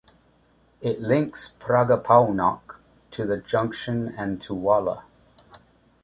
It links Praga-Północ to the junction and to Wola.